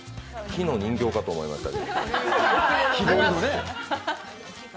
木の人形かと思いました。